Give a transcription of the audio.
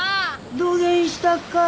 どげんしたっか？